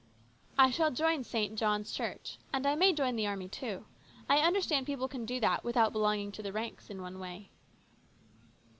"I shall join St. John's Church. And I may join the army too. I understand people can do that, without belonging to the ranks, in one way."